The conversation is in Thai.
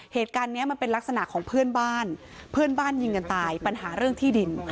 เหตุการณ์เนี้ยมันเป็นลักษณะของเพื่อนบ้านเพื่อนบ้านยิงกันตายปัญหาเรื่องที่ดิน